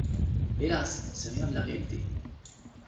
Hélas ! on ne sait rien de la réalité